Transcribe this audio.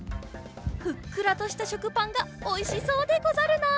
ふっくらとしたしょくパンがおいしそうでござるな。